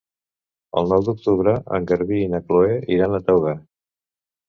El nou d'octubre en Garbí i na Chloé iran a Toga.